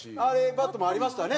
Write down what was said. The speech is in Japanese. バットマンありましたね